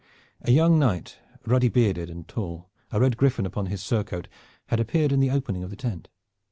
A young knight, ruddy bearded and tall, a red griffin upon his surcoat, had appeared in the opening of the tent.